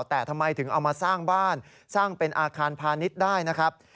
แต่ทำไมถึงเอามาสร้างบ้านสร้างเป็นอาคารพาณิชย์ได้นะครับ